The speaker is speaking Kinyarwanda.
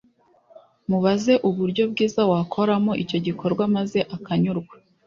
mubaze uburyo bwiza wakoramo icyo gikorwa maze akanyurwa